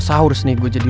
sekarang ga ada